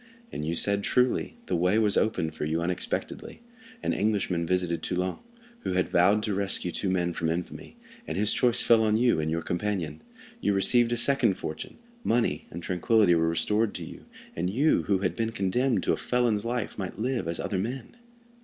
And you said truly; the way was opened for you unexpectedly. An Englishman visited Toulon, who had vowed to rescue two men from infamy, and his choice fell on you and your companion. You received a second fortune, money and tranquillity were restored to you, and you, who had been condemned to a felon's life, might live as other men.